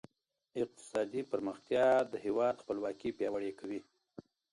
اقتصادي پرمختيا د هېواد خپلواکي پياوړې کوي.